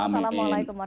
assalamualaikum wr wb